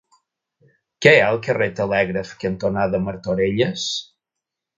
Què hi ha al carrer Telègraf cantonada Martorelles?